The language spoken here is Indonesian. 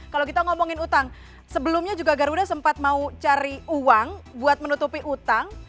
kalau kita ngomongin utang sebelumnya juga garuda sempat mau cari uang buat menutupi utang